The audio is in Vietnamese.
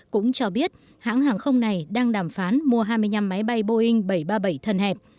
cũng cho biết hãng hàng không này đang đàm phán mua hai mươi năm máy bay boeing bảy trăm ba mươi bảy thân hẹp